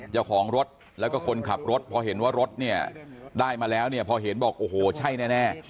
เจ้าของรถแล้วก็คนขับรถพอเห็นว่ารถเนี่ยได้มาแล้วเนี่ยพอเห็นบอกโอ้โหใช่แน่